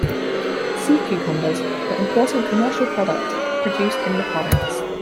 Sea cucumbers were important commercial product produced in the province.